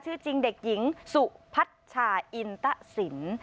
ชื่อจริงเด็กหญิงสุพัชชาอินตสิน